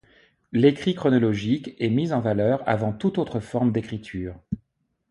L'écrit chronologique est mis en valeur avant toute autre forme d'écriture.